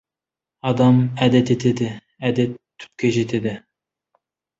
Адам әдет етеді, әдет түпке жетеді.